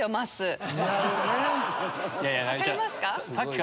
分かりますか？